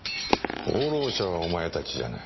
功労者はお前たちじゃない。